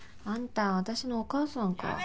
あんたは私のお母さんか。